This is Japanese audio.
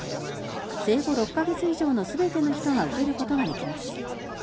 生後６カ月以上のすべての人が受けることができます。